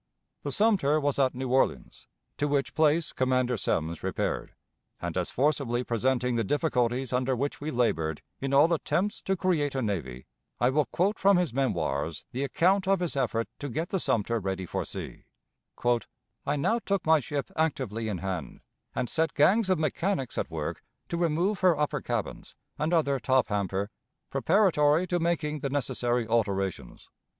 The Sumter was at New Orleans, to which place Commander Semmes repaired; and, as forcibly presenting the difficulties under which we labored in all attempts to create a navy, I will quote from his memoirs the account of his effort to get the Sumter ready for sea: "I now took my ship actively in hand and set gangs of mechanics at work to remove her upper cabins and other top hamper, preparatory to making the necessary alterations.